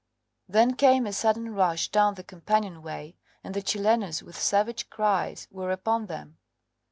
Then came a sudden rush down the companion way, and the Chilenos, with savage cries, were upon them!